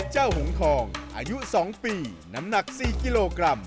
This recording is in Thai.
หงทองอายุ๒ปีน้ำหนัก๔กิโลกรัม